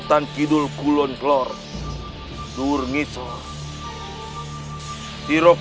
dan aku akan menerima kesempatan aku